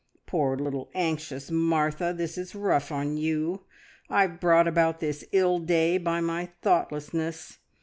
Poor little anxious Martha, this is rough on you! I've brought about this ill day by my thoughtlessness.